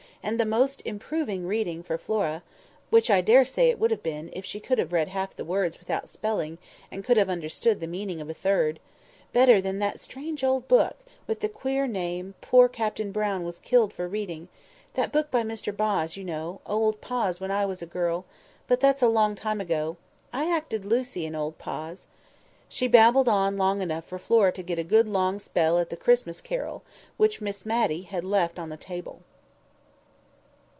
and the most improving reading for Flora" (which I daresay it would have been, if she could have read half the words without spelling, and could have understood the meaning of a third), "better than that strange old book, with the queer name, poor Captain Brown was killed for reading—that book by Mr Boz, you know—'Old Poz'; when I was a girl—but that's a long time ago—I acted Lucy in 'Old Poz.'" She babbled on long enough for Flora to get a good long spell at the "Christmas Carol," which Miss Matty had left on the table.